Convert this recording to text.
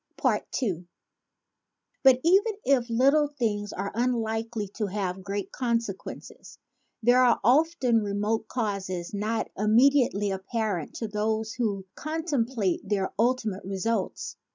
II BUT even if little things are unlikely to have great consequences, there are often remote causes not immediately apparent to those who contemplate their ultimate results.